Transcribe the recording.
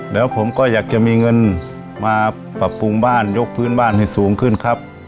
แล้วผมก็อยากจะมีเงินมาปรับปรุงบ้านยกพื้นบ้านให้สูงขึ้นครับ